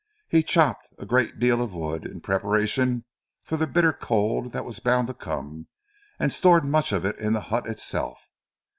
He chopped a great deal of wood, in preparation for the bitter cold that was bound to come and stored much of it in the hut itself.